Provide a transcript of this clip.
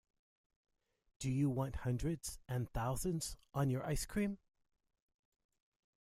Do you want hundreds and thousands on your ice cream?